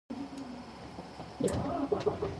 In Major League Baseball, there are no radio blackouts.